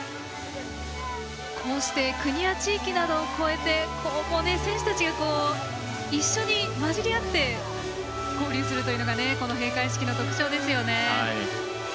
こうして国や地域などを越えて選手たちが一緒に交じり合って交流するというのが閉会式の特徴ですよね。